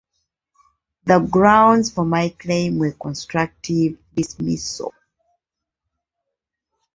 The grounds for my claim were constructive dismissal.